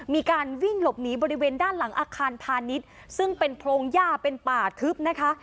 มีการวิ่งหลบหนีบริเวณด้านหลังอาคารพาณิชย์ซึ่งเป็นโพรงย่าเป็นป่าทึบนะคะ